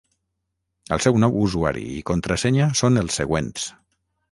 El seu nou usuari i contrasenya són els següents:.